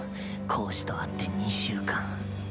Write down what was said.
講師と会って２週間。